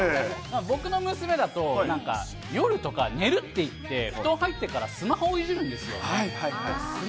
僕の娘だと、なんか、夜とか、寝るって言って、布団入ってからスマホをいじるんですよ。